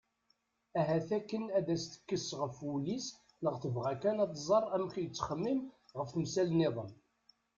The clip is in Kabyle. Ahat akken ad as-tekkes ɣef wul-is neɣ tebɣa kan ad tẓer amek yettxemmim ɣef temsal-nniḍen.